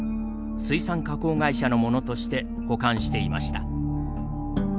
水産加工会社のものとして保管していました。